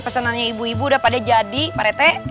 pesanannya ibu ibu udah pada jadi pak rete